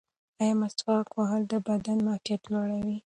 ایا مسواک وهل د بدن معافیت لوړوي؟